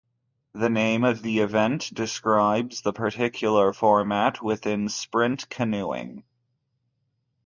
The name of the event describes the particular format within sprint canoeing.